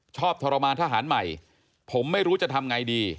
ทรมานทหารใหม่ผมไม่รู้จะทำไงดี